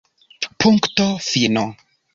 Punkto fino!